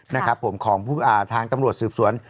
นะครับผมของทางตำรวจสืบสวน